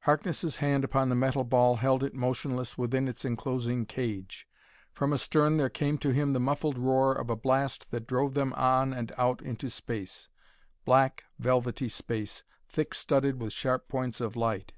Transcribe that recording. Harkness' hand upon the metal ball held it motionless within its enclosing cage. From astern there came to him the muffled roar of a blast that drove them on and out into space black, velvety space, thick studded with sharp points of light....